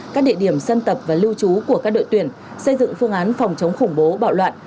các địa điểm dân tập và lưu trú của các đội tuyển xây dựng phương án phòng chống khủng bố bạo loạn